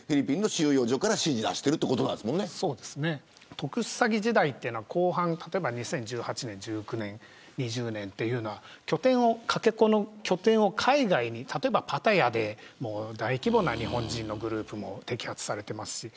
特殊詐欺時代は後半、２０１８年、１９年２０年っていうのはかけ子の拠点を海外に例えばパタヤで大規模な日本人のグループも摘発されています。